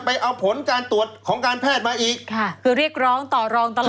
ไปเอาผลการตรวจของการแพทย์มาอีกค่ะคือเรียกร้องต่อรองตลอด